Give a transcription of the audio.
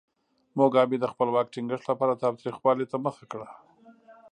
موګابي د خپل واک ټینګښت لپاره تاوتریخوالي ته مخه کړه.